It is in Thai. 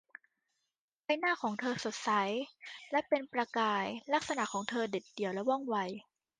ใบหน้าของเธอสดใสและเป็นประกายลักษณะของเธอเด็ดเดี่ยวและว่องไว